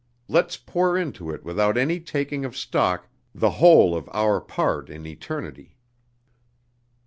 Let's pour into it without any taking of stock the whole of our part in eternity!